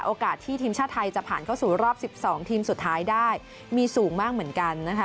ที่ทีมชาติไทยจะผ่านเข้าสู่รอบ๑๒ทีมสุดท้ายได้มีสูงมากเหมือนกันนะคะ